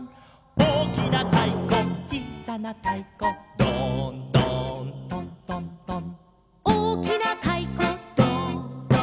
「おおきなたいこちいさなたいこ」「ドーンドーントントントン」